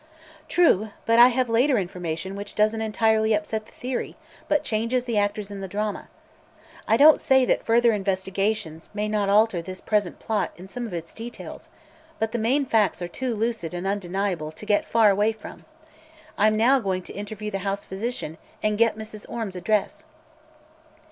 "True, but I have later information which doesn't entirely upset the theory but changes the actors in the drama. I don't say that further investigations may not alter this present plot in some of its details, but the main facts are too lucid and undeniable to get far away from. I'm now going to interview the house physician and get Mrs. Orme's address."